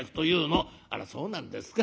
「あらそうなんですか。